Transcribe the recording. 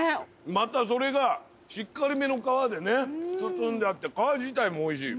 またそれがしっかりめの皮でね包んであって皮自体もおいしい。